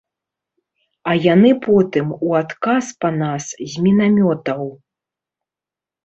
А яны потым у адказ па нас з мінамётаў.